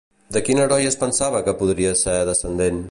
De quin heroi es pensava que podria ser descendent?